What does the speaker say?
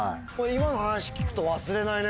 今の話聞くと忘れないね